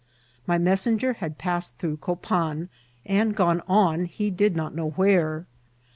My messenger had passed through Copan, and gone on he did not know where.